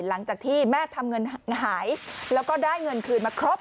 หลังจากที่แม่ทำเงินหายแล้วก็ได้เงินคืนมาครบ